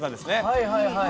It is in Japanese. はいはいはい。